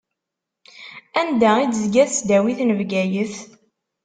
Anda i d-tezga tesdawit n Bgayet?